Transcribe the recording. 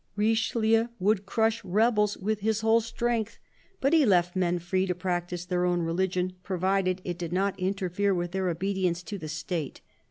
Richelieu would crush rebels with his whole strength, but he left men free to practise their own religioni provided it did not interfere with their obedience to the State.